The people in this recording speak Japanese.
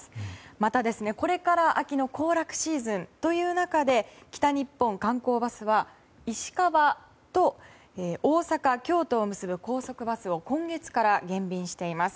また、これから秋の行楽シーズンという中で北日本観光バスは石川と大阪、京都を結ぶ高速バスを今月から減便しています。